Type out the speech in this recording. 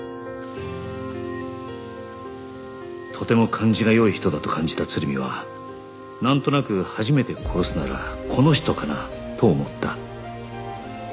とても感じが良い人だと感じた鶴見は「なんとなく初めて殺すならこの人かな」と思った